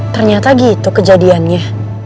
ternyata gitu kejadiannya